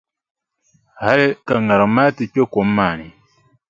Hali ka ŋariŋ maa ti kpe kom maa ni.